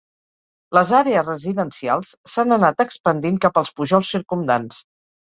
Les àrees residencials s'han anat expandint cap als pujols circumdants.